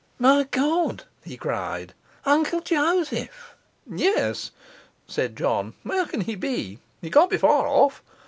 'My God!' he cried. 'Uncle Joseph!' 'Yes,' said John, 'where can he be? He can't be far off.